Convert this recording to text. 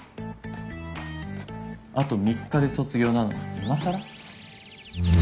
あと３日で卒業なのに今更？